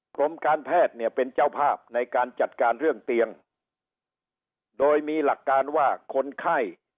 กรมการแพทย์เนี่ยเป็นเจ้าภาพในการจัดการเรื่องเตียงโดยมีหลักการว่าคนไข้